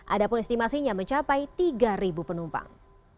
ada pun estimasinya mencapai tiga penumpang